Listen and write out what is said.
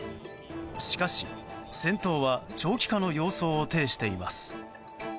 しかし、戦闘は長期化の様相を呈しています。